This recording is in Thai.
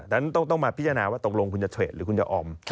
นั้นต้องมาพิจารณาว่าตกลงคุณจะเทรดหรือคุณจะออม